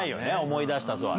思い出したとは。